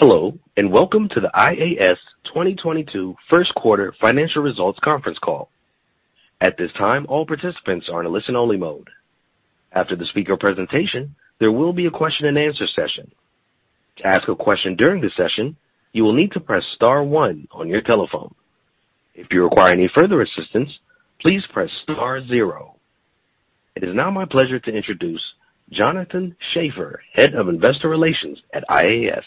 Hello, and welcome to the IAS 2022 first 1/4 financial results conference call. At this time, all participants are in Listen-Only Mode. After the speaker presentation, there will be a Question-And-Answer session. To ask a question during the session, you will need to press star one on your telephone. If you require any further assistance, please press star zero. It is now my pleasure to introduce Jonathan Schaffer, Head of Investor Relations at IAS.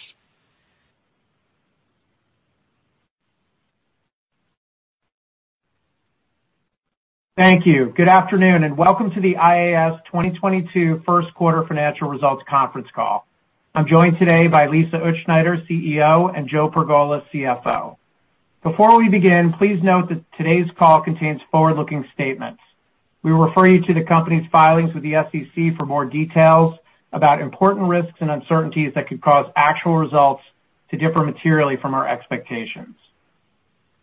Thank you. Good afternoon, and welcome to the IAS 2022 first 1/4 financial results conference call. I'm joined today by Lisa Utzschneider, CEO, and Joe Pergola, CFO. Before we begin, please note that today's call contains Forward-Looking statements. We refer you to the company's filings with the SEC for more details about important risks and uncertainties that could cause actual results to differ materially from our expectations.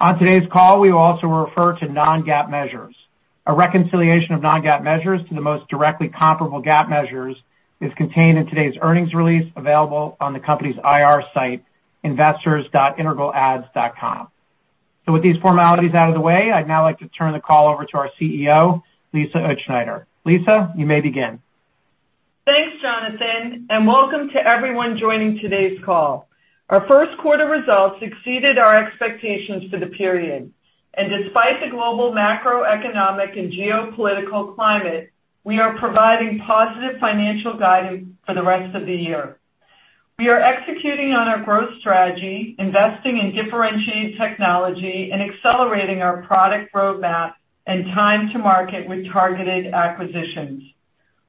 On today's call, we will also refer to Non-GAAP measures. A reconciliation of Non-GAAP measures to the most directly comparable GAAP measures is contained in today's earnings release, available on the company's IR site, investors.integralads.com. With these formalities out of the way, I'd now like to turn the call over to our CEO, Lisa Utzschneider. Lisa, you may begin. Thanks, Jonathan, and welcome to everyone joining today's call. Our first 1/4 results exceeded our expectations for the period. Despite the global macroeconomic and geopolitical climate, we are providing positive financial guidance for the rest of the year. We are executing on our growth strategy, investing in differentiated technology, and accelerating our product roadmap and time to market with targeted acquisitions.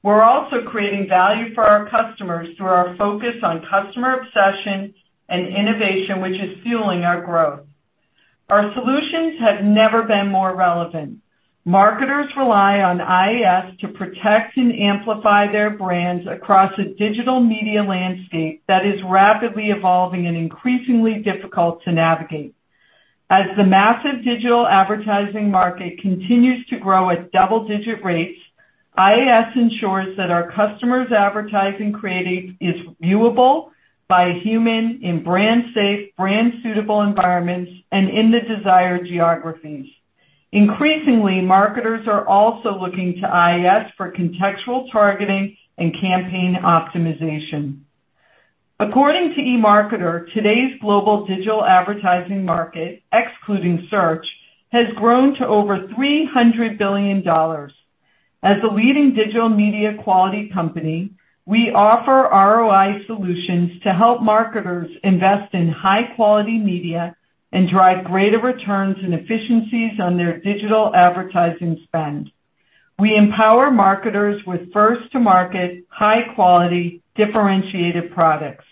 We're also creating value for our customers through our focus on customer obsession and innovation, which is fueling our growth. Our solutions have never been more relevant. Marketers rely on IAS to protect and amplify their brands across a digital media landscape that is rapidly evolving and increasingly difficult to navigate. As the massive digital advertising market continues to grow at double-Digit rates, IAS ensures that our customers' advertising creative is viewable by a human in brand safe, brand suitable environments and in the desired geographies. Increasingly, marketers are also looking to IAS for contextual targeting and campaign optimization. According to eMarketer, today's global digital advertising market, excluding search, has grown to over $300 billion. As a leading digital media quality company, we offer ROI solutions to help marketers invest in High-Quality media and drive greater returns and efficiencies on their digital advertising spend. We empower marketers with First-To-Market, High-Quality, differentiated products.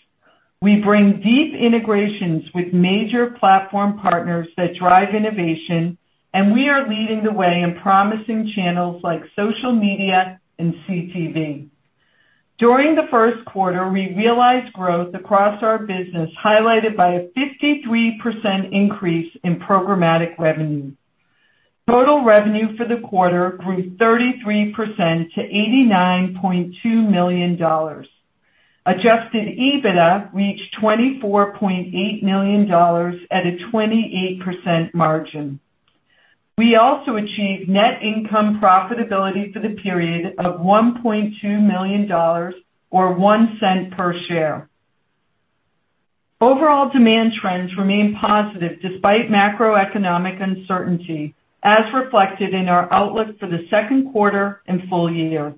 We bring deep integrations with major platform partners that drive innovation, and we are leading the way in promising channels like social media and CTV. During the first 1/4, we realized growth across our business, highlighted by a 53% increase in programmatic revenue. Total revenue for the 1/4 grew 33% to $89.2 million. Adjusted EBITDA reached $24.8 million at a 28% margin. We also achieved net income profitability for the period of $1.2 million or $0.01 per share. Overall demand trends remain positive despite macroeconomic uncertainty, as reflected in our outlook for the second 1/4 and full year.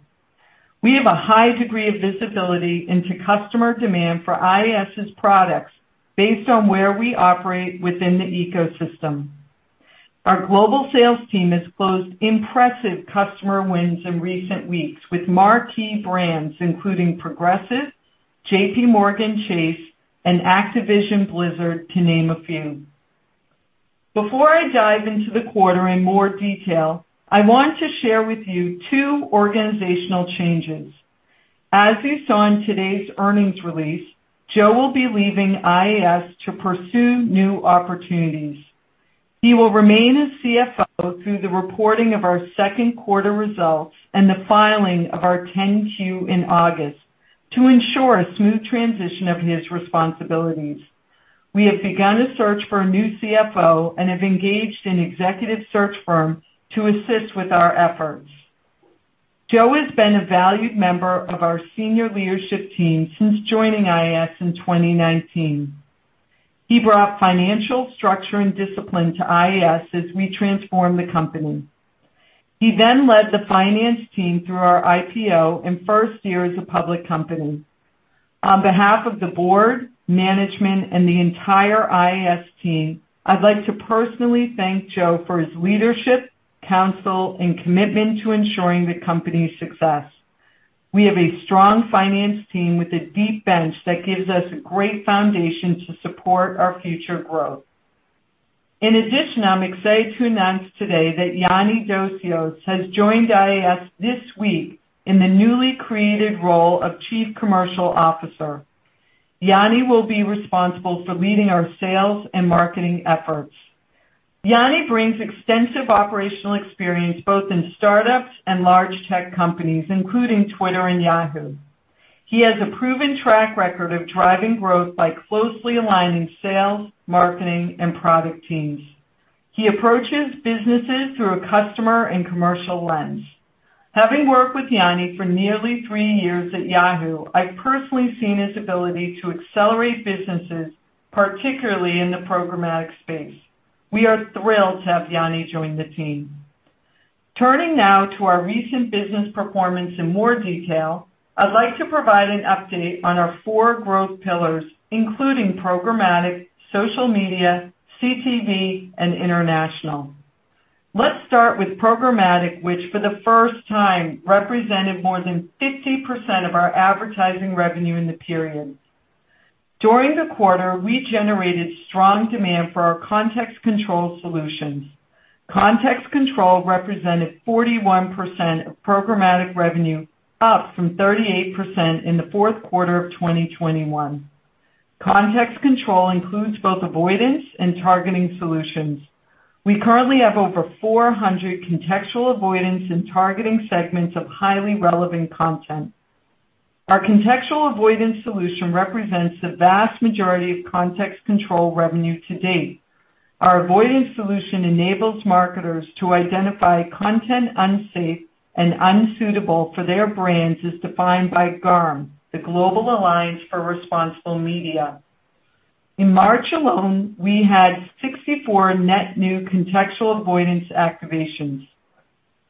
We have a high degree of visibility into customer demand for IAS's products based on where we operate within the ecosystem. Our global sales team has closed impressive customer wins in recent weeks with marquee brands, including Progressive, JPMorgan Chase, and Activision Blizzard, to name a few. Before I dive into the 1/4 in more detail, I want to share with you 2 organizational changes. As you saw in today's earnings release, Joe will be leaving IAS to pursue new opportunities. He will remain as CFO through the reporting of our second 1/4 results and the filing of our 10-Q in August to ensure a smooth transition of his responsibilities. We have begun a search for a new CFO and have engaged an executive search firm to assist with our efforts. Joe has been a valued member of our senior leadership team since joining IAS in 2019. He brought financial structure and discipline to IAS as we transformed the company. He then led the finance team through our IPO and first year as a public company. On be1/2 of the board, management, and the entire IAS team, I'd like to personally thank Joe for his leadership, counsel, and commitment to ensuring the company's success. We have a strong finance team with a deep bench that gives us a great foundation to support our future growth. In addition, I'm excited to announce today that Yannis Dosios has joined IAS this week in the newly created role of Chief Commercial Officer. Yannis will be responsible for leading our sales and marketing efforts. Yannis brings extensive operational experience both in startups and large tech companies, including Twitter and Yahoo. He has a proven track record of driving growth by closely aligning sales, marketing, and product teams. He approaches businesses through a customer and commercial lens. Having worked with Yannis for nearly 3 years at Yahoo, I've personally seen his ability to accelerate businesses, particularly in the programmatic space. We are thrilled to have Yannis join the team. Turning now to our recent business performance in more detail, I'd like to provide an update on our 4 growth pillars, including programmatic, social media, CTV, and international. Let's start with programmatic, which for the first time represented more than 50% of our advertising revenue in the period. During the 1/4, we generated strong demand for our context control solutions. Context control represented 41% of programmatic revenue, up from 38% in the 4th 1/4 of 2021. Context control includes both avoidance and targeting solutions. We currently have over 400 contextual avoidance and targeting segments of highly relevant content. Our contextual avoidance solution represents the vast majority of context control revenue to date. Our avoidance solution enables marketers to identify content unsafe and unsuitable for their brands as defined by GARM, the Global Alliance for Responsible Media. In March alone, we had 64 net new contextual avoidance activations.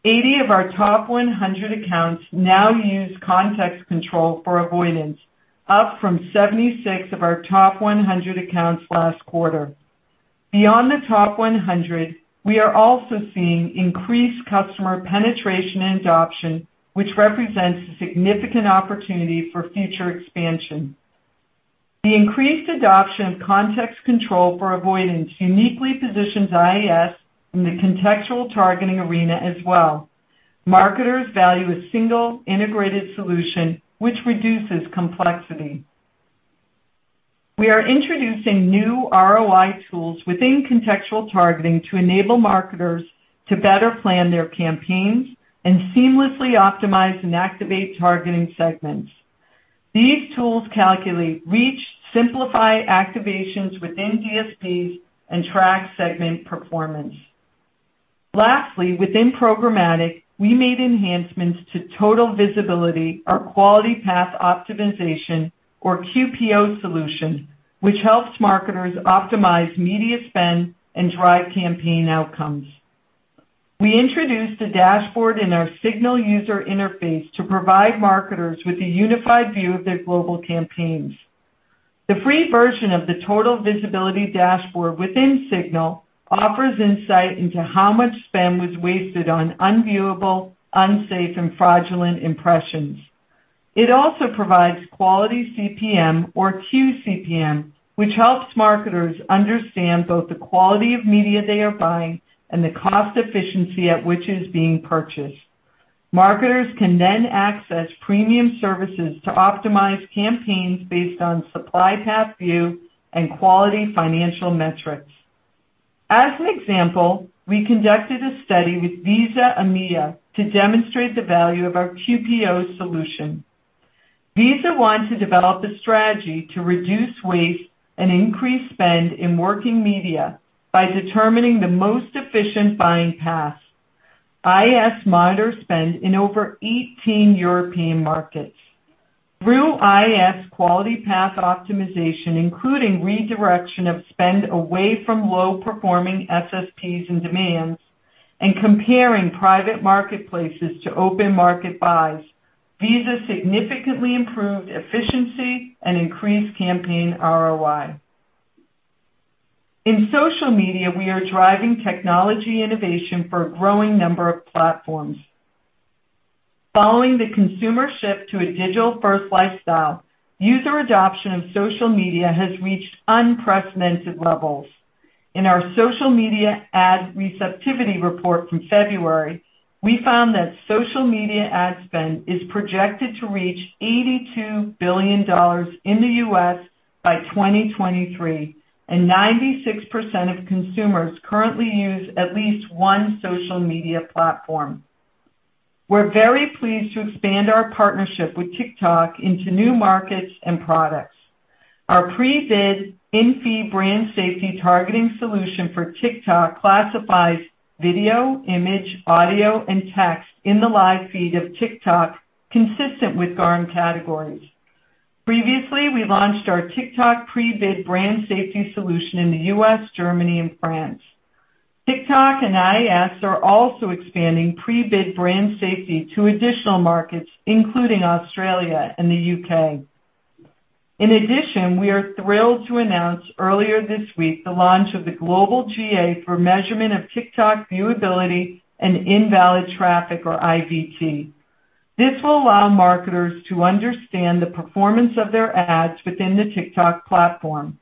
80 of our top 100 accounts now use context control for avoidance, up from 76 of our top 100 accounts last 1/4. Beyond the top 100, we are also seeing increased customer penetration and adoption, which represents a significant opportunity for future expansion. The increased adoption of context control for avoidance uniquely positions IAS in the contextual targeting arena as well. Marketers value a single integrated solution which reduces complexity. We are introducing new ROI tools within contextual targeting to enable marketers to better plan their campaigns and seamlessly optimize and activate targeting segments. These tools calculate reach, simplify activations within DSPs, and track segment performance. Lastly, within programmatic, we made enhancements to Total Visibility, our Quality Path Optimization, or QPO solution, which helps marketers optimize media spend and drive campaign outcomes. We introduced a dashboard in our Signal user interface to provide marketers with a unified view of their global campaigns. The free version of the Total Visibility dashboard within Signal offers insight into how much spend was wasted on unviewable, unsafe, and fraudulent impressions. It also provides quality CPM, or QCPM, which helps marketers understand both the quality of media they are buying and the cost efficiency at which it is being purchased. Marketers can then access premium services to optimize campaigns based on supply path view and quality financial metrics. As an example, we conducted a study with Visa EMEA to demonstrate the value of our QPO solution. Visa wanted to develop a strategy to reduce waste and increase spend in working media by determining the most efficient buying path. IAS monitors spend in over 18 European markets. Through IAS Quality Path Optimization, including redirection of spend away from low performing SSPs and DSPs and comparing private marketplaces to open market buys, Visa significantly improved efficiency and increased campaign ROI. In social media, we are driving technology innovation for a growing number of platforms. Following the consumer shift to a digital-first lifestyle, user adoption of social media has reached unprecedented levels. In our social media ad receptivity report from February, we found that social media ad spend is projected to reach $82 billion in the US by 2023, and 96% of consumers currently use at least one social media platform. We're very pleased to expand our partnership with TikTok into new markets and products. Our Pre-Bid, In-Feed brand safety targeting solution for TikTok classifies video, image, audio, and text in the live feed of TikTok consistent with GARM categories. Previously, we launched our TikTok Pre-Bid brand safety solution in the U.S., Germany, and France. TikTok and IAS are also expanding Pre-Bid brand safety to additional markets, including Australia and the U.K. In addition, we are thrilled to announce earlier this week the launch of the global MRC for measurement of TikTok viewability and invalid traffic, or IVT. This will allow marketers to understand the performance of their ads within the TikTok platform.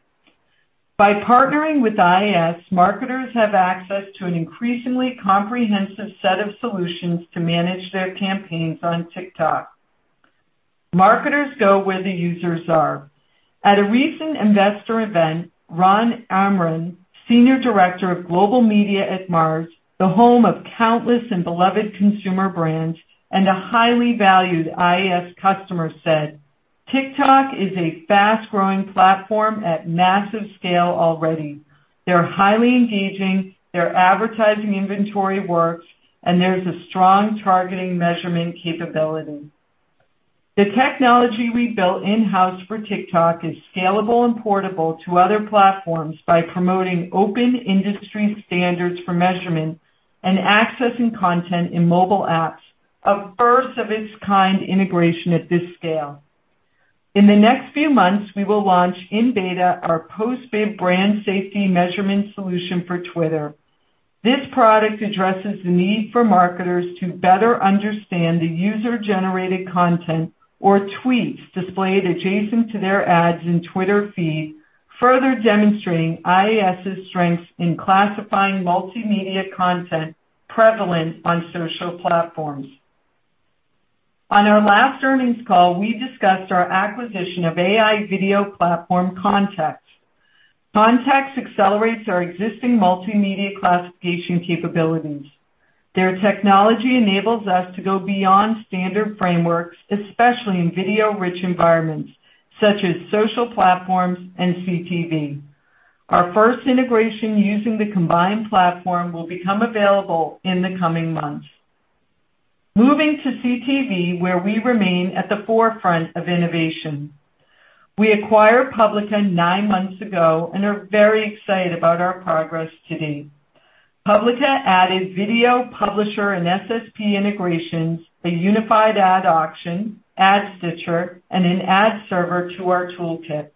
By partnering with IAS, marketers have access to an increasingly comprehensive set of solutions to manage their campaigns on TikTok. Marketers go where the users are. At a recent investor event, Ron Amram, Senior Director of Global Media at Mars, the home of countless and beloved consumer brands and a highly valued IAS customer, said, "TikTok is a fast-growing platform at massive scale already. They're highly engaging, their advertising inventory works, and there's a strong targeting measurement capability." The technology we built in-house for TikTok is scalable and portable to other platforms by promoting open industry standards for measurement and accessing content in mobile apps, a First-Of-Its-Kind integration at this scale. In the next few months, we will launch in beta our Post-Bid brand safety measurement solution for Twitter. This product addresses the need for marketers to better understand the User-Generated content or tweets displayed adjacent to their ads in Twitter feed, further demonstrating IAS's strengths in classifying multimedia content prevalent on social platforms. On our last earnings call, we discussed our acquisition of AI video platform, Context. Context accelerates our existing multimedia classification capabilities. Their technology enables us to go beyond standard frameworks, especially in video-rich environments, such as social platforms and CTV. Our first integration using the combined platform will become available in the coming months. Moving to CTV, where we remain at the forefront of innovation. We acquired Publica 9 months ago and are very excited about our progress to date. Publica added video publisher and SSP integrations, a unified ad auction, ad stitcher, and an ad server to our toolkit.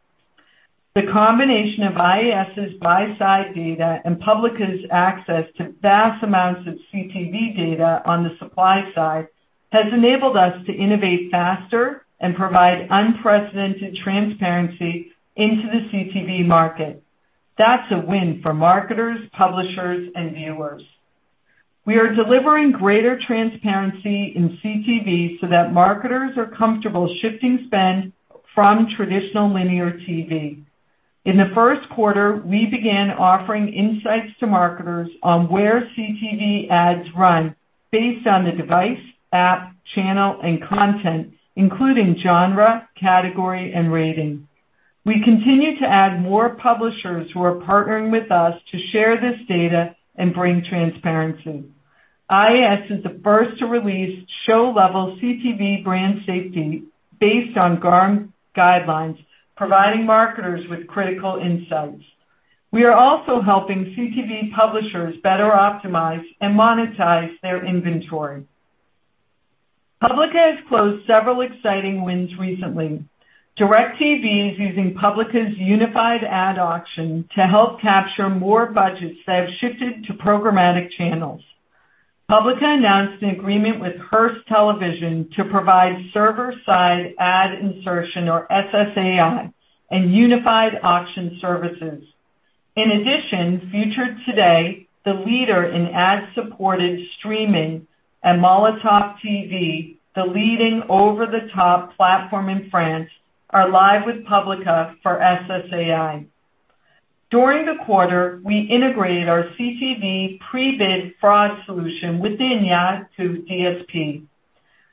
The combination of IAS's Buy-Side data and Publica's access to vast amounts of CTV data on the supply side has enabled us to innovate faster and provide unprecedented transparency into the CTV market. That's a win for marketers, publishers, and viewers. We are delivering greater transparency in CTV so that marketers are comfortable shifting spend from traditional linear TV. In the first 1/4, we began offering insights to marketers on where CTV ads run based on the device, app, channel, and content, including genre, category, and rating. We continue to add more publishers who are partnering with us to share this data and bring transparency. IAS is the first to release Show-Level CTV brand safety based on GARM guidelines, providing marketers with critical insights. We are also helping CTV publishers better optimize and monetize their inventory. Publica has closed several exciting wins recently. DIRECTV is using Publica's unified ad auction to help capture more budgets that have shifted to programmatic channels. Publica announced an agreement with Hearst Television to provide Server-Side ad insertion, or SSAI, and unified auction services. In addition, Future Today, the leader in Ad-Supported streaming, and Molotov.tv, the leading Over-The-Top platform in France, are live with Publica for SSAI. During the 1/4, we integrated our CTV Pre-Bid fraud solution within Yahoo DSP.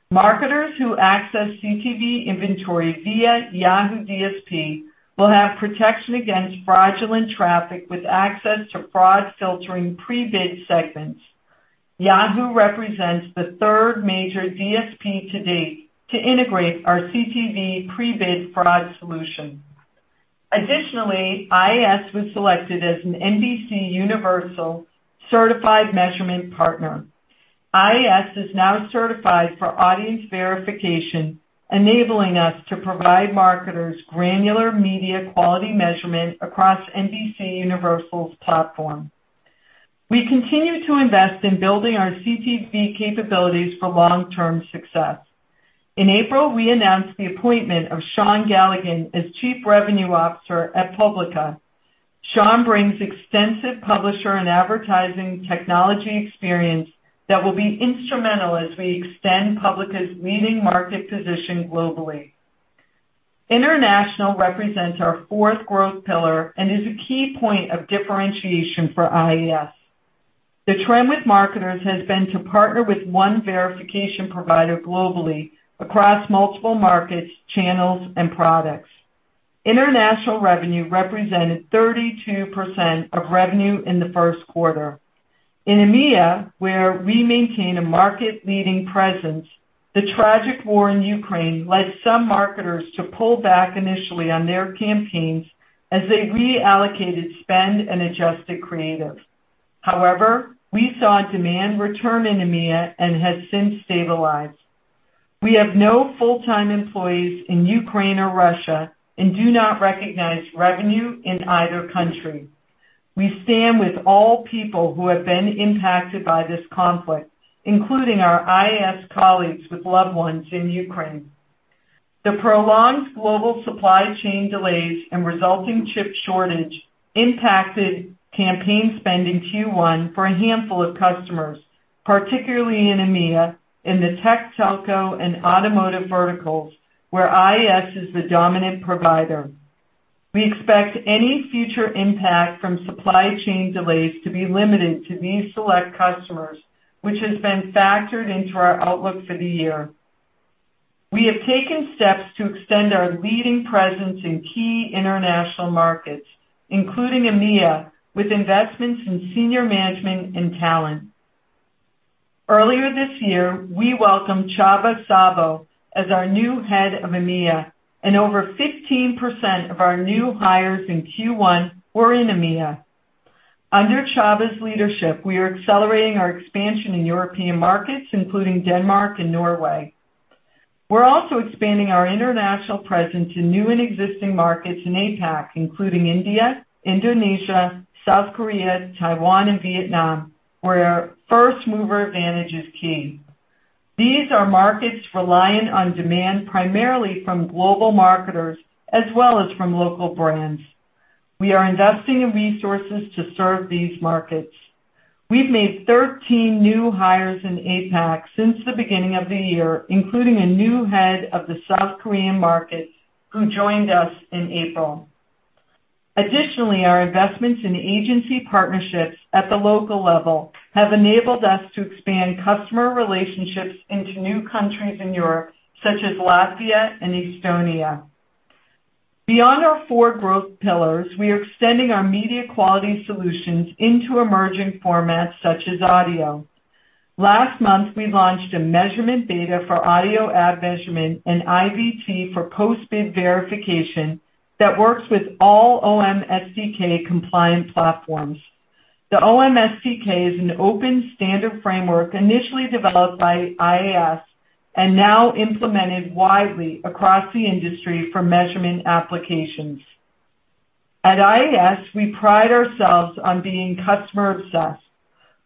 Marketers who access CTV inventory via Yahoo DSP will have protection against fraudulent traffic with access to fraud filtering Pre-Bid segments. Yahoo represents the 1/3 major DSP to date to integrate our CTV Pre-Bid fraud solution. Additionally, IAS was selected as an NBCUniversal certified measurement partner. IAS is now certified for audience verification, enabling us to provide marketers granular media quality measurement across NBCUniversal's platform. We continue to invest in building our CTV capabilities for long-term success. In April, we announced the appointment of Sean Galligan as Chief Revenue Officer at Publica. Sean brings extensive publisher and advertising technology experience that will be instrumental as we extend Publica's leading market position globally. International represents our 4th growth pillar and is a key point of differentiation for IAS. The trend with marketers has been to partner with one verification provider globally across multiple markets, channels, and products. International revenue represented 32% of revenue in the first 1/4. In EMEA, where we maintain a market-leading presence, the tragic war in Ukraine led some marketers to pull back initially on their campaigns as they reallocated spend and adjusted creative. However, we saw demand return in EMEA and has since stabilized. We have no Full-Time employees in Ukraine or Russia and do not recognize revenue in either country. We stand with all people who have been impacted by this conflict, including our IAS colleagues with loved ones in Ukraine. The prolonged global supply chain delays and resulting chip shortage impacted campaign spend in Q1 for a handful of customers, particularly in EMEA, in the tech, telco, and automotive verticals, where IAS is the dominant provider. We expect any future impact from supply chain delays to be limited to these select customers, which has been factored into our outlook for the year. We have taken steps to extend our leading presence in key international markets, including EMEA, with investments in senior management and talent. Earlier this year, we welcomed Csaba Szabo as our new head of EMEA, and over 15% of our new hires in Q1 were in EMEA. Under Csaba's leadership, we are accelerating our expansion in European markets, including Denmark and Norway. We're also expanding our international presence to new and existing markets in APAC, including India, Indonesia, South Korea, Taiwan, and Vietnam, where first mover advantage is key. These are markets reliant on demand primarily from global marketers as well as from local brands. We are investing in resources to serve these markets. We've made 13 new hires in APAC since the beginning of the year, including a new head of the South Korean markets who joined us in April. Additionally, our investments in agency partnerships at the local level have enabled us to expand customer relationships into new countries in Europe such as Latvia and Estonia. Beyond our 4 growth pillars, we are extending our media quality solutions into emerging formats such as audio. Last month, we launched a measurement beta for audio ad measurement and IVT for Post-Bid verification that works with all OM SDK compliant platforms. The OM SDK is an open standard framework initially developed by IAS and now implemented widely across the industry for measurement applications. At IAS, we pride ourselves on being customer obsessed.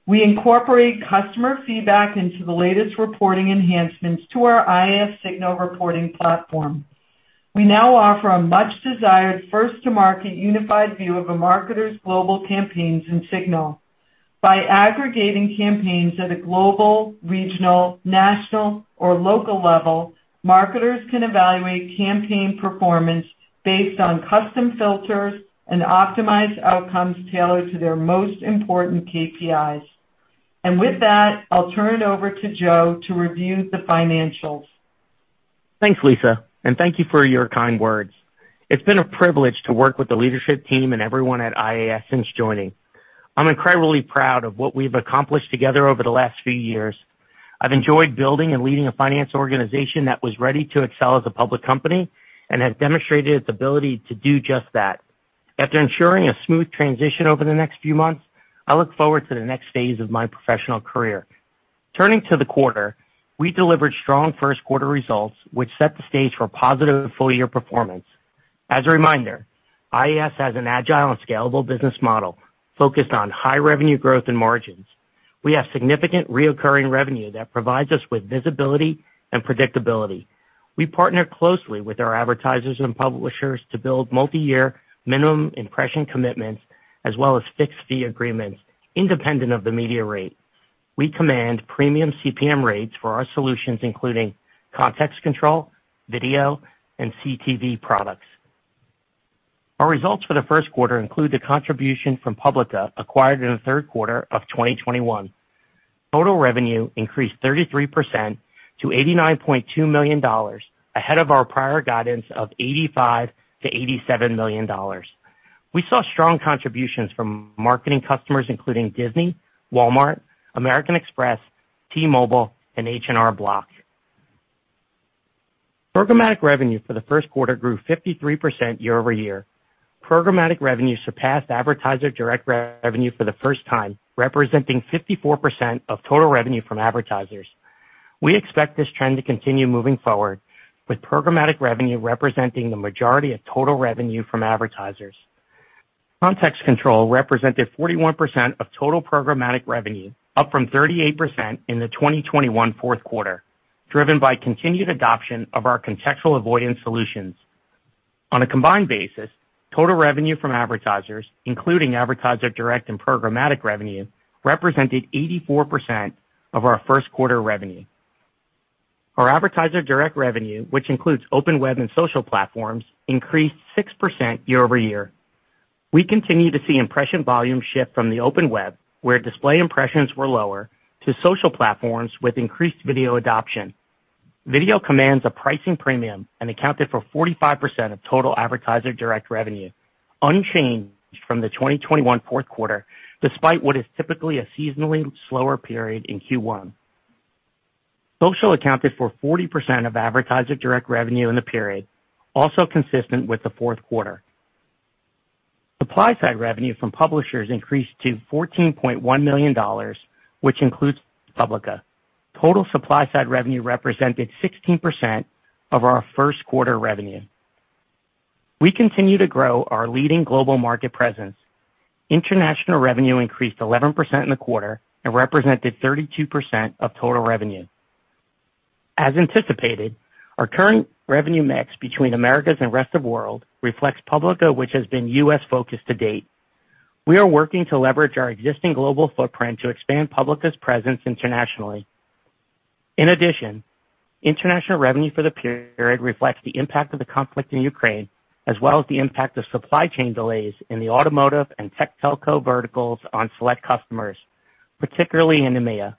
We incorporate customer feedback into the latest reporting enhancements to our IAS Signal reporting platform. We now offer a Much-Desired First-To-Market unified view of a marketer's global campaigns in Signal. By aggregating campaigns at a global, regional, national, or local level, marketers can evaluate campaign performance based on custom filters and optimized outcomes tailored to their most important KPIs. With that, I'll turn it over to Joe to review the financials. Thanks, Lisa, and thank you for your kind words. It's been a privilege to work with the leadership team and everyone at IAS since joining. I'm incredibly proud of what we've accomplished together over the last few years. I've enjoyed building and leading a finance organization that was ready to excel as a public company and has demonstrated its ability to do just that. After ensuring a smooth transition over the next few months, I look forward to the next phase of my professional career. Turning to the 1/4, we delivered strong first 1/4 results, which set the stage for positive full-year performance. As a reminder, IAS has an agile and scalable business model focused on high revenue growth and margins. We have significant recurring revenue that provides us with visibility and predictability. We partner closely with our advertisers and publishers to build multiyear minimum impression commitments as well as fixed fee agreements independent of the media rate. We command premium CPM rates for our solutions, including context control, video, and CTV products. Our results for the first 1/4 include the contribution from Publica acquired in the 1/3 1/4 of 2021. Total revenue increased 33% to $89.2 million, ahead of our prior guidance of $85 million-$87 million. We saw strong contributions from marketing customers including Disney, Walmart, American Express, T-Mobile, and H&R Block. Programmatic revenue for the first 1/4 grew 53% Year-Over-Year. Programmatic revenue surpassed advertiser direct revenue for the first time, representing 54% of total revenue from advertisers. We expect this trend to continue moving forward, with programmatic revenue representing the majority of total revenue from advertisers. Contextual control represented 41% of total programmatic revenue, up from 38% in the 2021 4th 1/4, driven by continued adoption of our contextual avoidance solutions. On a combined basis, total revenue from advertisers, including advertiser direct and programmatic revenue, represented 84% of our first 1/4 revenue. Our advertiser direct revenue, which includes open web and social platforms, increased 6% Year-Over-Year. We continue to see impression volume shift from the open web, where display impressions were lower, to social platforms with increased video adoption. Video commands a pricing premium and accounted for 45% of total advertiser direct revenue, unchanged from the 2021 4th 1/4, despite what is typically a seasonally slower period in Q1. Social accounted for 40% of advertiser direct revenue in the period, also consistent with the 4th 1/4. Supply-Side revenue from publishers increased to $14.1 million, which includes Publica. Total Supply-Side revenue represented 16% of our first 1/4 revenue. We continue to grow our leading global market presence. International revenue increased 11% in the 1/4 and represented 32% of total revenue. As anticipated, our current revenue mix between Americas and rest of world reflects Publica, which has been US-Focused to date. We are working to leverage our existing global footprint to expand Publica's presence internationally. In addition, international revenue for the period reflects the impact of the conflict in Ukraine, as well as the impact of supply chain delays in the automotive and tech telco verticals on select customers, particularly in EMEA.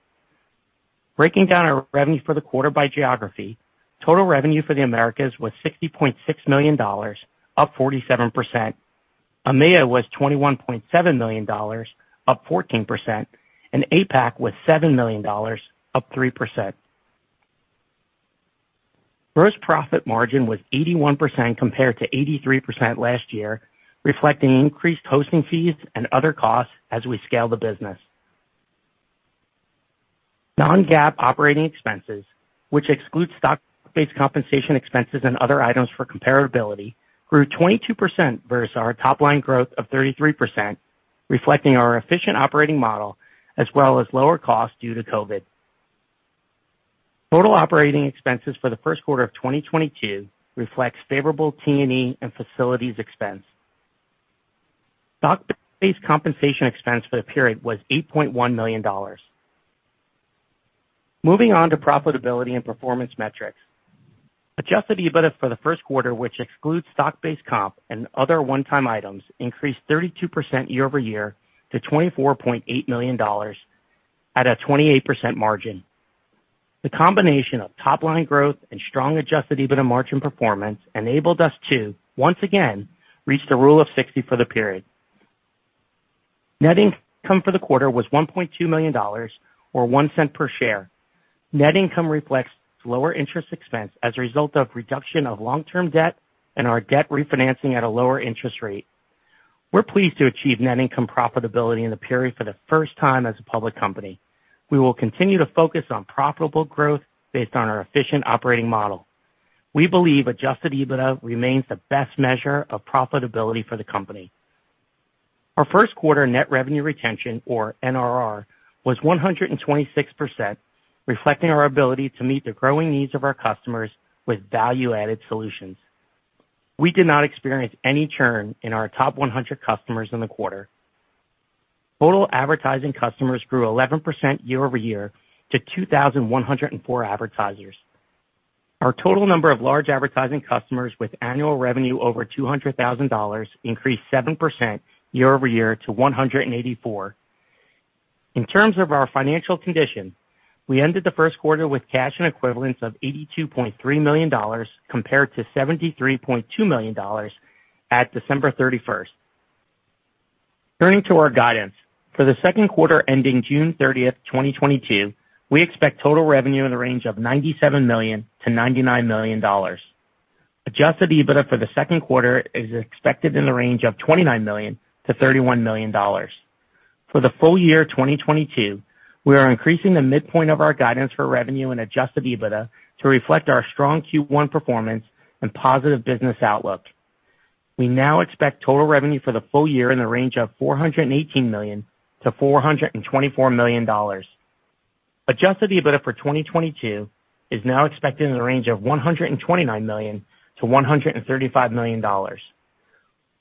Breaking down our revenue for the 1/4 by geography, total revenue for the Americas was $60.6 million, up 47%. EMEA was $21.7 million, up 14%, and APAC was $7 million, up 3%. Gross profit margin was 81% compared to 83% last year, reflecting increased hosting fees and other costs as we scale the business. Non-GAAP operating expenses, which excludes Stock-Based compensation expenses and other items for comparability, grew 22% versus our top line growth of 33%, reflecting our efficient operating model as well as lower costs due to COVID. Total operating expenses for the first 1/4 of 2022 reflects favorable T&E and facilities expense. Stock-Based compensation expense for the period was $8.1 million. Moving on to profitability and performance metrics. Adjusted EBITDA for the first 1/4, which excludes Stock-Based comp and other one-time items, increased 32% Year-Over-Year to $24.8 million at a 28% margin. The combination of top line growth and strong adjusted EBITDA margin performance enabled us to, once again, reach the rule of 60 for the period. Net income for the 1/4 was $1.2 million, or $0.01 per share. Net income reflects lower interest expense as a result of reduction of long-term debt and our debt refinancing at a lower interest rate. We're pleased to achieve net income profitability in the period for the first time as a public company. We will continue to focus on profitable growth based on our efficient operating model. We believe adjusted EBITDA remains the best measure of profitability for the company. Our first 1/4 net revenue retention, or NRR, was 126%, reflecting our ability to meet the growing needs of our customers with value-added solutions. We did not experience any churn in our top 100 customers in the 1/4. Total advertising customers grew 11% Year-Over-Year to 2,104 advertisers. Our total number of large advertising customers with annual revenue over $200,000 increased 7% Year-Over-Year to 184. In terms of our financial condition, we ended the first 1/4 with cash and equivalents of $82.3 million compared to $73.2 million at December 31. Turning to our guidance. For the second 1/4 ending June 30, 2022, we expect total revenue in the range of $97 million-$99 million. Adjusted EBITDA for the second 1/4 is expected in the range of $29 million-$31 million. For the full year 2022, we are increasing the midpoint of our guidance for revenue and Adjusted EBITDA to reflect our strong Q1 performance and positive business outlook. We now expect total revenue for the full year in the range of $418 million-$424 million. Adjusted EBITDA for 2022 is now expected in the range of $129 million-$135 million.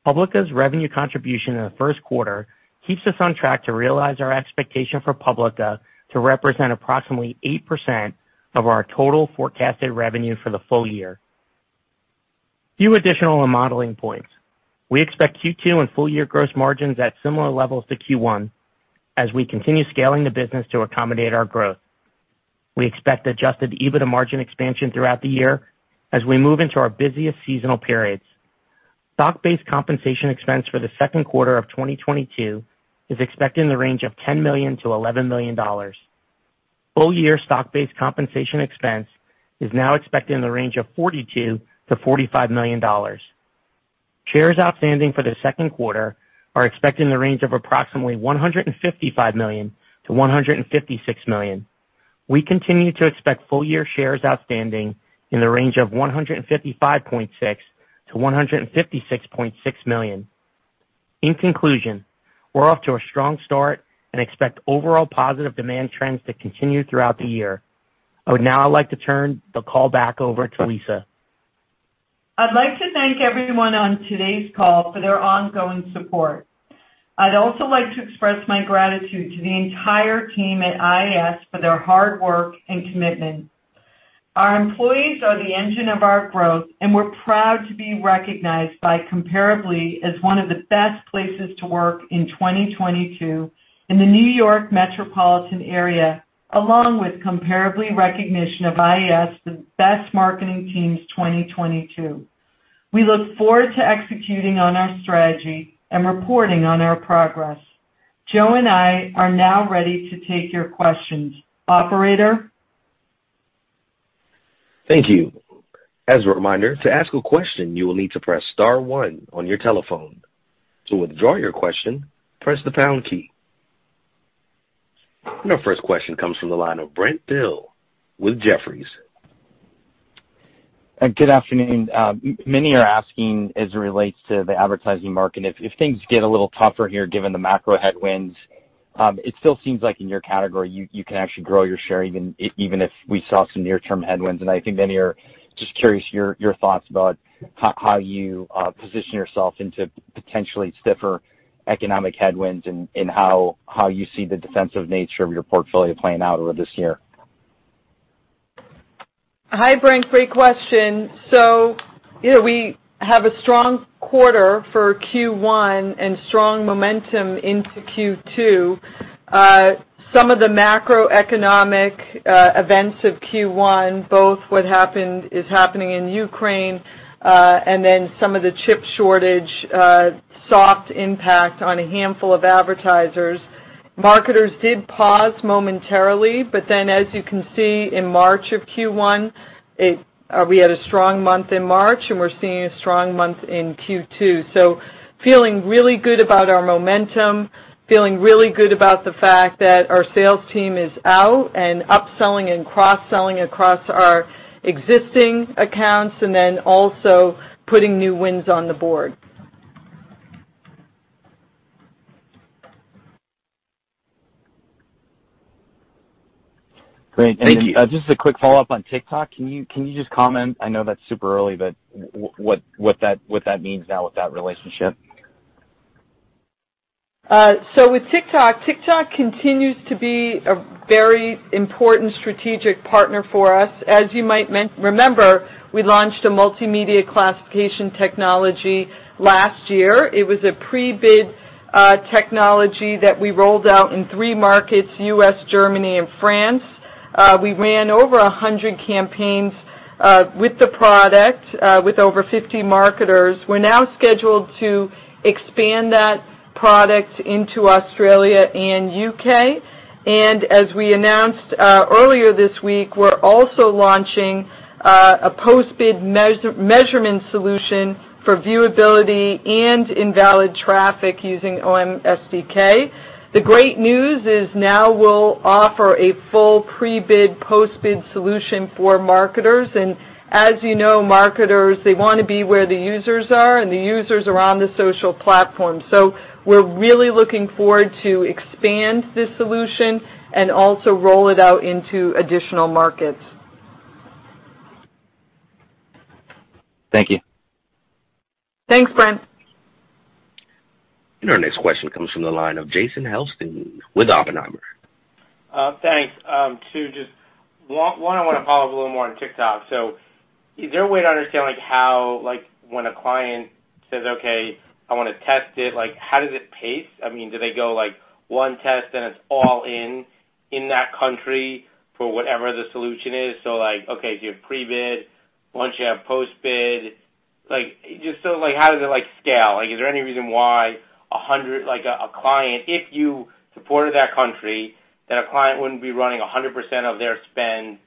Publica's revenue contribution in the first 1/4 keeps us on track to realize our expectation for Publica to represent approximately 8% of our total forecasted revenue for the full year. Few additional modeling points. We expect Q2 and full year gross margins at similar levels to Q1 as we continue scaling the business to accommodate our growth. We expect adjusted EBITDA margin expansion throughout the year as we move into our busiest seasonal periods. Stock-Based compensation expense for the second 1/4 of 2022 is expected in the range of $10 million-$11 million. Full year Stock-Based compensation expense is now expected in the range of $42 million-$45 million. Shares outstanding for the second 1/4 are expected in the range of approximately 155 million-156 million. We continue to expect full year shares outstanding in the range of 155.6-156.6 million. In conclusion, we're off to a strong start and expect overall positive demand trends to continue throughout the year. I would now like to turn the call back over to Lisa. I'd like to thank everyone on today's call for their ongoing support. I'd also like to express my gratitude to the entire team at IAS for their hard work and commitment. Our employees are the engine of our growth, and we're proud to be recognized by Comparably as one of the best places to work in 2022 in the New York metropolitan area, along with Comparably recognition of IAS, the best marketing teams 2022. We look forward to executing on our strategy and reporting on our progress. Joe and I are now ready to take your questions. Operator? Thank you. As a reminder, to ask a question, you will need to press star one on your telephone. To withdraw your question, press the pound key. Our first question comes from the line of Brent Thill with Jefferies. Good afternoon. Many are asking as it relates to the advertising market, if things get a little tougher here given the macro headwinds, it still seems like in your category, you can actually grow your share even if we saw some Near-Term headwinds. I think many are just curious your thoughts about how you position yourself into potentially stiffer economic headwinds and how you see the defensive nature of your portfolio playing out over this year. Hi, Brent. Great question. You know, we have a strong 1/4 for Q1 and strong momentum into Q2. Some of the macroeconomic events of Q1, both what is happening in Ukraine, and then some of the chip shortage, soft impact on a handful of advertisers. Marketers did pause momentarily, but then as you can see, in March of Q1, we had a strong month in March, and we're seeing a strong month in Q2. Feeling really good about our momentum, feeling really good about the fact that our sales team is out and upselling and cross-selling across our existing accounts, and then also putting new wins on the board. Great. Thank you. Just a quick Follow-Up on TikTok. Can you just comment? I know that's super early, but what that means now with that relationship? With TikTok continues to be a very important strategic partner for us. As you might remember, we launched a multimedia classification technology last year. It was a Pre-Bid technology that we rolled out in 3 markets: U.S., Germany, and France. We ran over 100 campaigns with the product with over 50 marketers. We're now scheduled to expand that product into Australia and U.K. As we announced earlier this week, we're also launching a Post-Bid measurement solution for viewability and invalid traffic using OM SDK. The great news is now we'll offer a full Pre-Bid, Post-Bid solution for marketers. As you know, marketers, they wanna be where the users are, and the users are on the social platform. We're really looking forward to expand this solution and also roll it out into additional markets. Thank you. Thanks, Brent. Our next question comes from the line of Jason Helfstein with Oppenheimer. Thanks. Just one I wanna follow up a little more on TikTok. Is there a way to understand, like, how, like, when a client says, "Okay, I wanna test it," like, how does it pace? I mean, do they go, like, one test and it's all in that country for whatever the solution is? Like, okay, if you have Pre-Bid, once you have Post-Bid, like, just so, like, how does it, like, scale? Like, is there any reason why 100... Like, a client, if you supported that country, that a client wouldn't be running 100% of their spend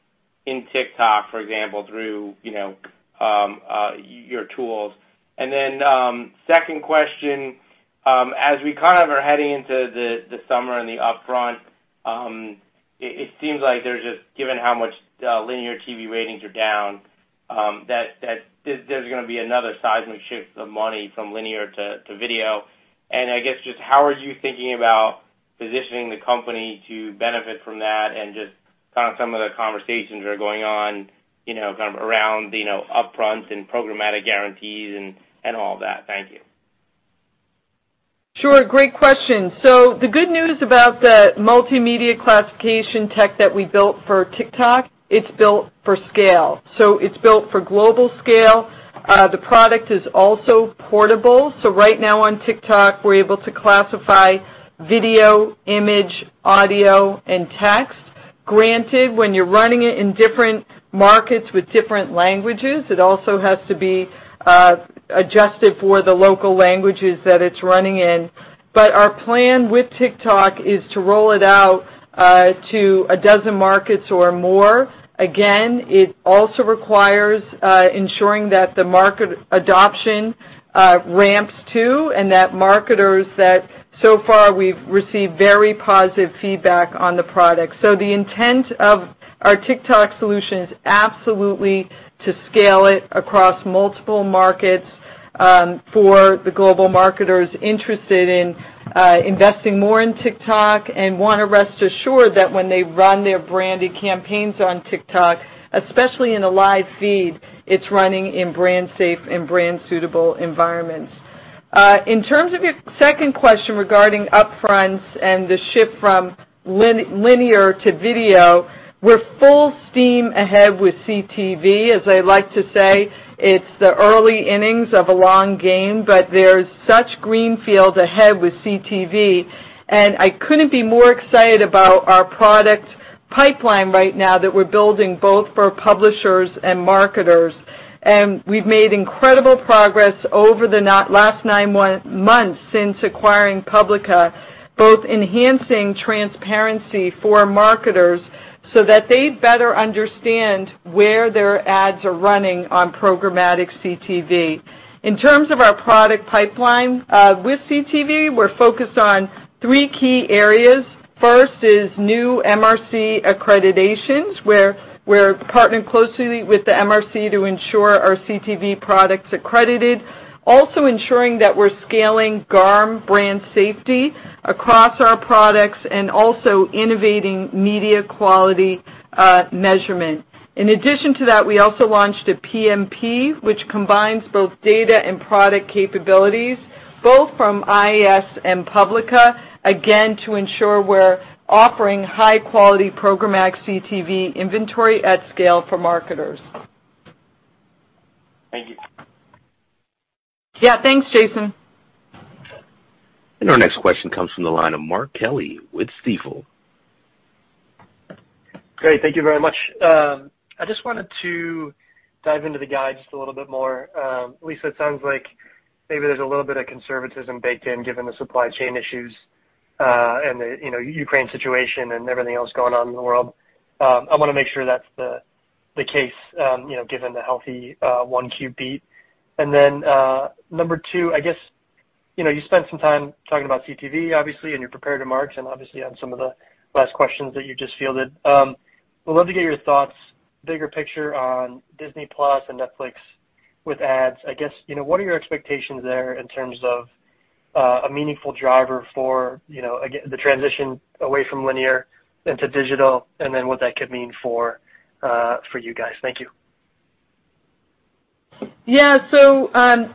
in TikTok, for example, through, you know, your tools? Second question, as we kind of are heading into the summer and the upfront, it seems like there's just given how much linear TV ratings are down, that there's gonna be another seismic shift of money from linear to video. I guess just how are you thinking about positioning the company to benefit from that and just kind of some of the conversations that are going on, you know, kind of around, you know, upfront and programmatic guarantees and all that? Thank you. Sure. Great question. The good news about the multimedia classification tech that we built for TikTok, it's built for scale. It's built for global scale. The product is also portable. Right now on TikTok, we're able to classify video, image, audio, and text. Granted, when you're running it in different markets with different languages, it also has to be adjusted for the local languages that it's running in. Our plan with TikTok is to roll it out to a dozen markets or more. Again, it also requires ensuring that the market adoption ramps, too, and that marketers that so far we've received very positive feedback on the product. The intent of our TikTok solution is absolutely to scale it across multiple markets, for the global marketers interested in investing more in TikTok and wanna rest assured that when they run their branded campaigns on TikTok, especially in a live feed, it's running in brand safe and brand suitable environments. In terms of your second question regarding upfronts and the shift from linear to video, we're full steam ahead with CTV. As I like to say, it's the early innings of a long game, but there's such greenfield ahead with CTV, and I couldn't be more excited about our product pipeline right now that we're building both for publishers and marketers. We've made incredible progress over the last 9 months since acquiring Publica, both enhancing transparency for marketers so that they better understand where their ads are running on programmatic CTV. In terms of our product pipeline, with CTV, we're focused on 3 key areas. First is new MRC accreditations, where we're partnering closely with the MRC to ensure our CTV product's accredited. We're also ensuring that we're scaling GARM brand safety across our products and also innovating media quality measurement. In addition to that, we also launched a PMP, which combines both data and product capabilities. Both from IAS and Publica, again, to ensure we're offering high quality programmatic CTV inventory at scale for marketers. Thank you. Yeah, thanks, Jason. Our next question comes from the line of Mark Kelley with Stifel. Great. Thank you very much. I just wanted to dive into the guidance just a little bit more. Lisa, it sounds like maybe there's a little bit of conservatism baked in given the supply chain issues, and the you know Ukraine situation and everything else going on in the world. I wanna make sure that's the case, you know, given the healthy 1Q beat. Then, number 2, I guess, you know, you spent some time talking about CTV, obviously, in your prepared remarks and obviously on some of the last questions that you just fielded. I would love to get your thoughts, bigger picture on Disney+ and Netflix with ads. I guess, you know, what are your expectations there in terms of a meaningful driver for, you know, again, the transition away from linear into digital, and then what that could mean for you guys? Thank you. Yeah.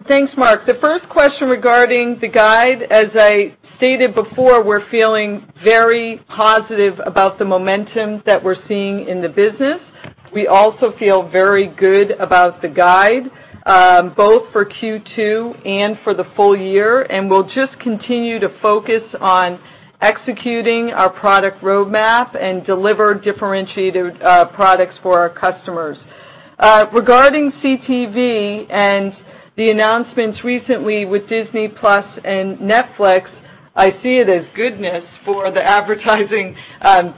Thanks, Mark. The first question regarding the guide, as I stated before, we're feeling very positive about the momentum that we're seeing in the business. We also feel very good about the guide, both for Q2 and for the full year, and we'll just continue to focus on executing our product roadmap and deliver differentiated products for our customers. Regarding CTV and the announcements recently with Disney+ and Netflix, I see it as goodness for the advertising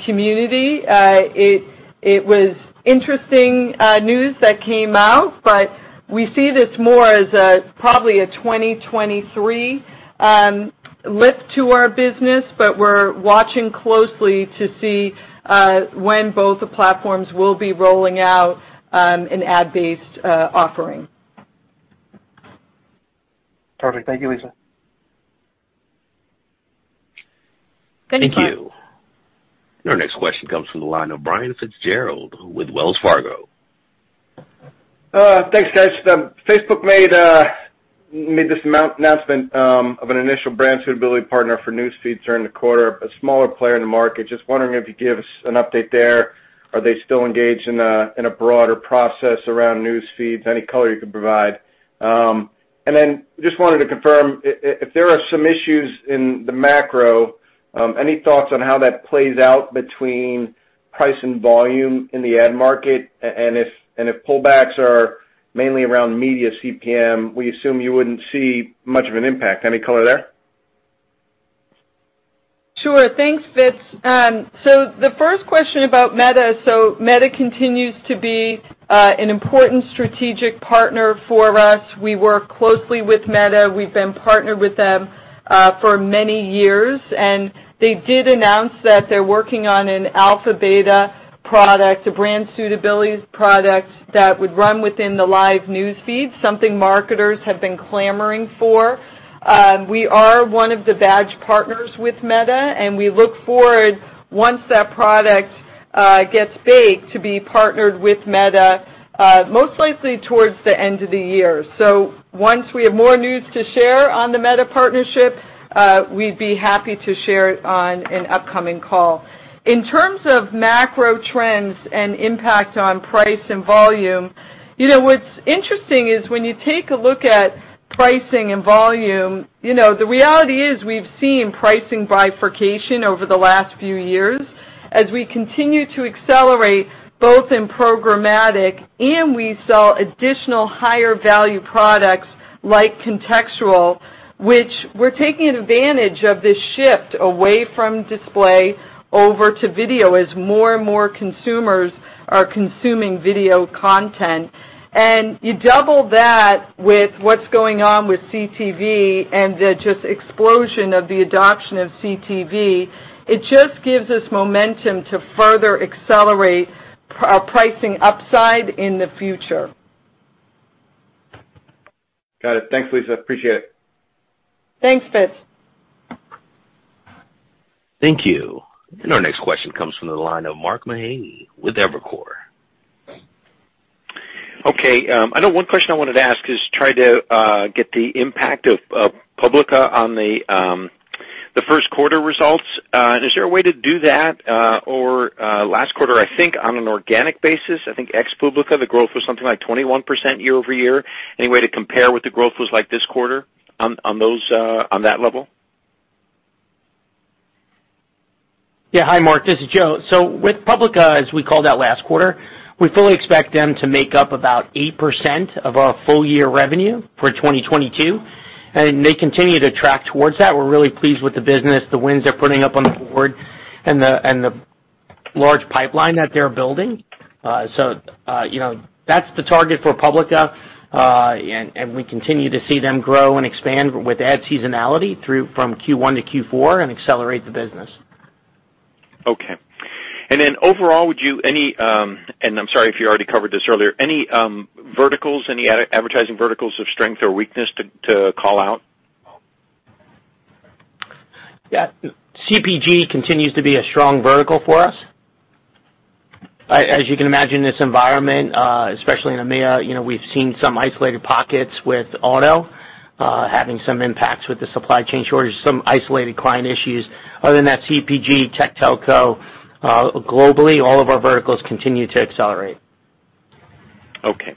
community. It was interesting news that came out, but we see this more as probably a 2023 lift to our business. We're watching closely to see when both the platforms will be rolling out an ad-based offering. Perfect. Thank you, Lisa. Thank you, Mark. Thank you. Our next question comes from the line of Brian Fitzgerald with Wells Fargo. Thanks, guys. Facebook made this announcement of an initial brand suitability partner for news feeds during the 1/4, a smaller player in the market. Just wondering if you could give us an update there. Are they still engaged in a broader process around news feeds? Any color you could provide. Just wanted to confirm if there are some issues in the macro, any thoughts on how that plays out between price and volume in the ad market? If pullbacks are mainly around media CPM, we assume you wouldn't see much of an impact. Any color there? Sure. Thanks, Brian. The first question about Meta. Meta continues to be an important strategic partner for us. We work closely with Meta. We've been partnered with them for many years. They did announce that they're working on an alpha beta product, a brand suitability product that would run within the live news feed, something marketers have been clamoring for. We are one of the badge partners with Meta, and we look forward, once that product gets baked, to be partnered with Meta most likely towards the end of the year. Once we have more news to share on the Meta partnership, we'd be happy to share it on an upcoming call. In terms of macro trends and impact on price and volume, you know, what's interesting is when you take a look at pricing and volume, you know, the reality is we've seen pricing bifurcation over the last few years as we continue to accelerate both in programmatic, and we sell additional higher value products like contextual, which we're taking advantage of this shift away from display over to video as more and more consumers are consuming video content. You double that with what's going on with CTV and the just explosion of the adoption of CTV, it just gives us momentum to further accelerate pricing upside in the future. Got it. Thanks, Lisa. Appreciate it. Thanks, Fitzgerald. Thank you. Our next question comes from the line of Mark Mahaney with Evercore. Okay. I know one question I wanted to ask is try to get the impact of Publica on the first 1/4 results. Is there a way to do that, or last 1/4, I think on an organic basis, I think ex-Publica, the growth was something like 21% Year-Over-Year. Any way to compare what the growth was like this 1/4 on that level? Yeah. Hi, Mark. This is Joe. With Publica, as we called out last 1/4, we fully expect them to make up about 8% of our full year revenue for 2022, and they continue to track towards that. We're really pleased with the business, the wins they're putting up on the board and the large pipeline that they're building. You know, that's the target for Publica, and we continue to see them grow and expand with ad seasonality through from Q1 to Q4 and accelerate the business. Okay. Overall, would you have any... I'm sorry if you already covered this earlier. Any verticals, any advertising verticals of strength or weakness to call out? Yeah. CPG continues to be a strong vertical for us. As you can imagine, this environment, especially in EMEA, you know, we've seen some isolated pockets with auto having some impacts with the supply chain shortage, some isolated client issues. Other than that, CPG, tech, telco, globally, all of our verticals continue to accelerate. Okay.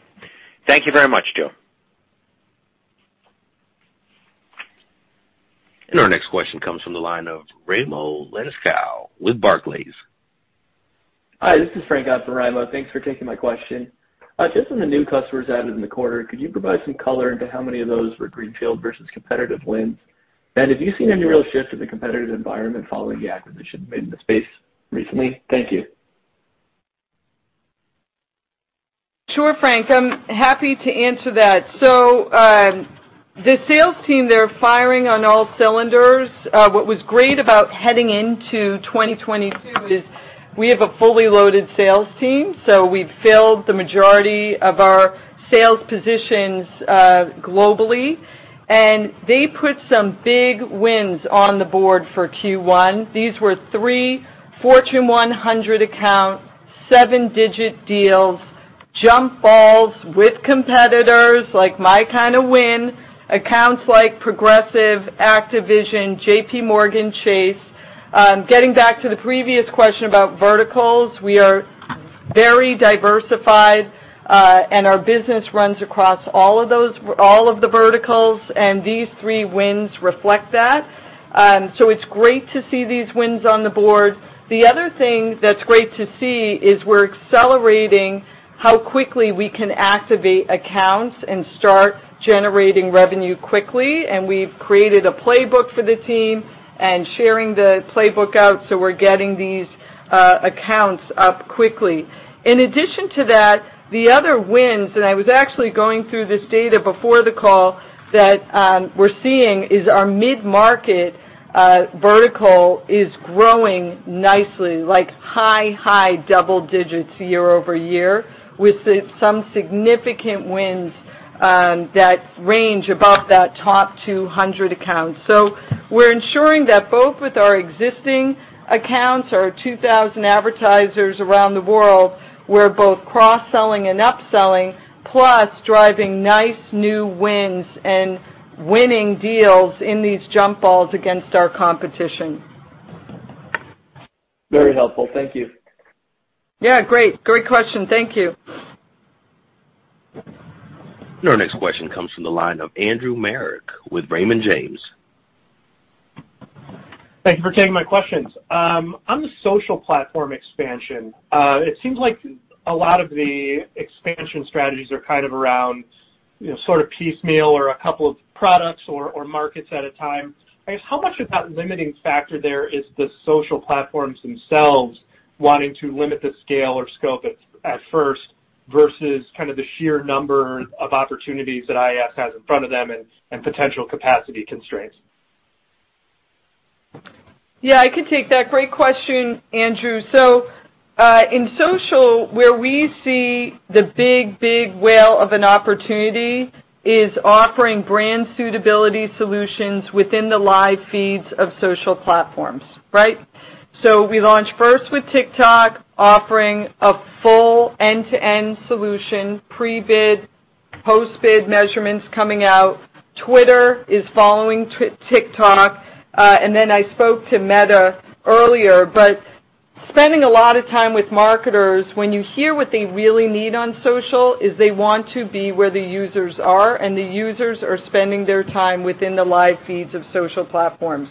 Thank you very much, Joe. Our next question comes from the line of Raimo Lenschow with Barclays. Hi, this is Frank from Raimo. Thanks for taking my question. Just on the new customers added in the 1/4, could you provide some color into how many of those were greenfield versus competitive wins? Have you seen any real shift in the competitive environment following the acquisition made in the space recently? Thank you. Sure, Frank, I'm happy to answer that. The sales team, they're firing on all cylinders. What was great about heading into 2022 is we have a fully loaded sales team, so we've filled the majority of our sales positions, globally, and they put some big wins on the board for Q1. These were 3 Fortune 100 accounts, 7-Digit deals, jump balls with competitors, like my kind of win, accounts like Progressive, Activision, JPMorgan Chase. Getting back to the previous question about verticals, we are very diversified, and our business runs across all of those, all of the verticals, and these 3 wins reflect that. It's great to see these wins on the board. The other thing that's great to see is we're accelerating how quickly we can activate accounts and start generating revenue quickly. We've created a playbook for the team and sharing the playbook out, so we're getting these accounts up quickly. In addition to that, the other wins, and I was actually going through this data before the call, that we're seeing is our Mid-Market vertical is growing nicely, like high double digits Year-Over-Year, with some significant wins that range above that top 200 accounts. We're ensuring that both with our existing accounts, our 2,000 advertisers around the world, we're both cross-selling and upselling, plus driving nice new wins and winning deals in these jump balls against our competition. Very helpful. Thank you. Yeah, great. Great question. Thank you. Our next question comes from the line of Andrew Marok with Raymond James. Thank you for taking my questions. On the social platform expansion, it seems like a lot of the expansion strategies are kind of around, you know, sort of piecemeal or a couple of products or markets at a time. I guess, how much of that limiting factor there is the social platforms themselves wanting to limit the scale or scope at first versus kind of the sheer number of opportunities that IAS has in front of them and potential capacity constraints? Yeah, I can take that. Great question, Andrew. In social, where we see the big, big whale of an opportunity is offering brand suitability solutions within the live feeds of social platforms, right? We launched first with TikTok offering a full end-to-end solution, Pre-Bid, Post-Bid measurements coming out. Twitter is following TikTok, and then I spoke to Meta earlier. Spending a lot of time with marketers, when you hear what they really need on social is they want to be where the users are, and the users are spending their time within the live feeds of social platforms.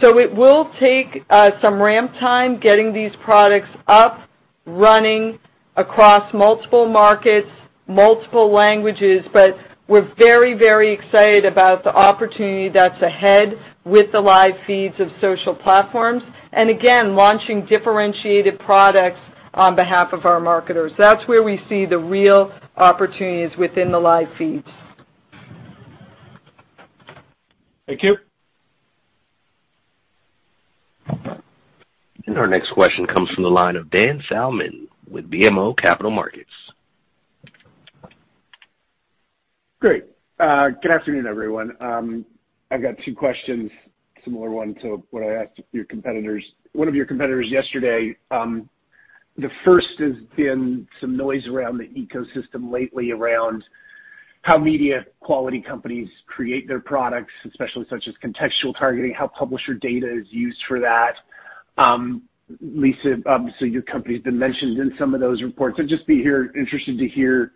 It will take some ramp time getting these products up, running across multiple markets, multiple languages, but we're very, very excited about the opportunity that's ahead with the live feeds of social platforms, and again, launching differentiated products on be1/2 of our marketers. That's where we see the real opportunities within the live feeds. Thank you. Our next question comes from the line of Dan Salmon with BMO Capital Markets. Great. Good afternoon, everyone. I've got 2 questions, similar to what I asked one of your competitors yesterday. The first has been some noise around the ecosystem lately around how media quality companies create their products, especially such as contextual targeting, how publisher data is used for that. Lisa, obviously, your company's been mentioned in some of those reports. I'd just be interested to hear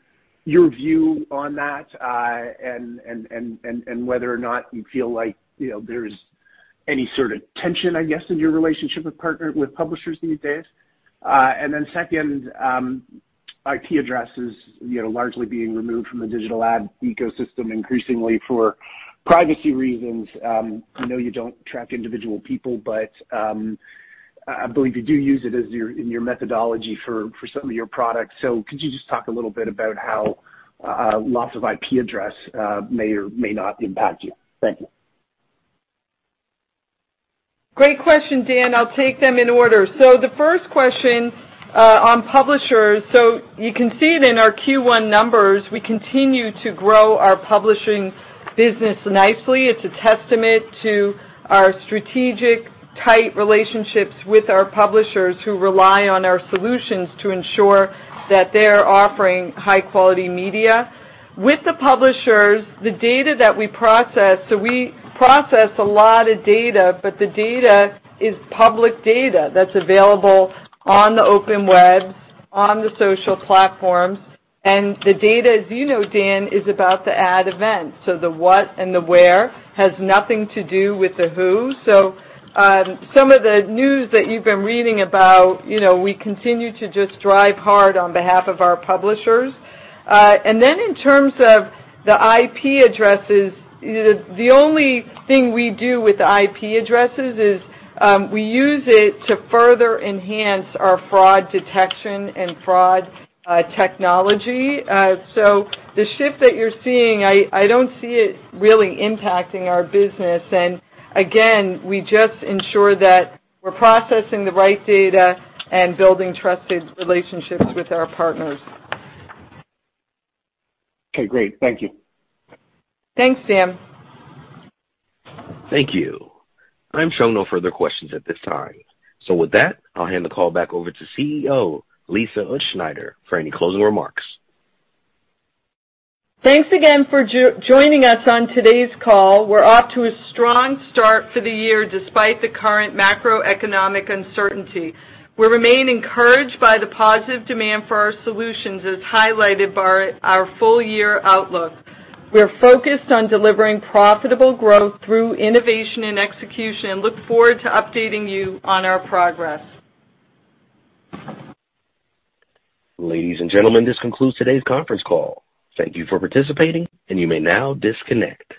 your view on that, and whether or not you feel like, you know, there's any sort of tension, I guess, in your relationship with publishers these days. Then the second, IP addresses, you know, largely being removed from the digital ad ecosystem increasingly for privacy reasons. I know you don't track individual people, but I believe you do use it as your methodology for some of your products. Could you just talk a little bit about how loss of IP address may or may not impact you? Thank you. Great question, Dan. I'll take them in order. The first question on publishers. You can see it in our Q1 numbers. We continue to grow our publishing business nicely. It's a testament to our strategic, tight relationships with our publishers who rely on our solutions to ensure that they're offering High-Quality media. With the publishers, the data that we process, so we process a lot of data, but the data is public data that's available on the open web, on the social platforms, and the data, as you know, Dan, is about the ad event. Some of the news that you've been reading about, you know, we continue to just drive hard on be1/2 of our publishers. In terms of the IP addresses, the only thing we do with IP addresses is we use it to further enhance our fraud detection and fraud technology. The shift that you're seeing, I don't see it really impacting our business. We just ensure that we're processing the right data and building trusted relationships with our partners. Okay, great. Thank you. Thanks, Dan. Thank you. I'm showing no further questions at this time. With that, I'll hand the call back over to CEO Lisa Utzschneider for any closing remarks. Thanks again for joining us on today's call. We're off to a strong start for the year despite the current macroeconomic uncertainty. We remain encouraged by the positive demand for our solutions, as highlighted by our full year outlook. We're focused on delivering profitable growth through innovation and execution and look forward to updating you on our progress. Ladies and gentlemen, this concludes today's conference call. Thank you for participating, and you may now disconnect.